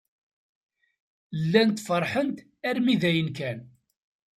Llant feṛḥent armi d ayen kan.